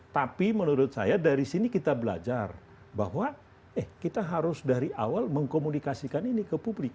tapi menurut saya dari sini kita belajar bahwa eh kita harus dari awal mengkomunikasikan ini ke publik